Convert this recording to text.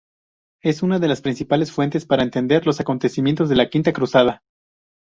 Es una de las principales fuentes para entender los acontecimientos de la Quinta Cruzada.